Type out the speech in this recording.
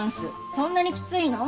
そんなにきついの？